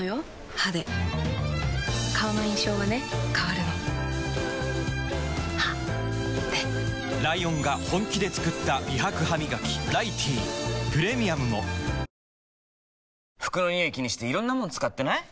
歯で顔の印象はね変わるの歯でライオンが本気で作った美白ハミガキ「ライティー」プレミアムも服のニオイ気にしていろんなもの使ってない？